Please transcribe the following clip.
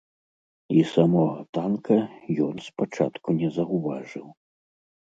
І самога танка ён спачатку не заўважыў.